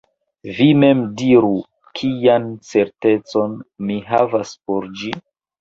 Vi mem diru: kian certecon mi havas por ĝi?